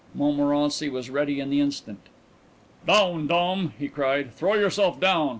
Montmorency was ready on the instant. "Down, Dom!" he cried, "throw yourself down!